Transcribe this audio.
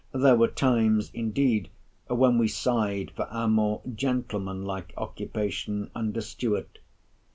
There were times, indeed, when we sighed for our more gentleman like occupation under Stuart.